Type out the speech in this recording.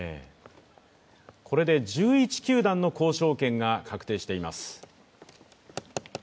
これで１１球団の交渉権が確定しています。